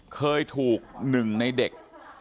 เคยถูก๑ในเด็ก